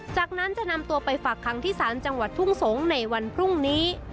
จากนั้นจะนำตัวไปฝากคังที่ศาลจังหวัดทุ่งสงศ์ในวันพรุ่งนี้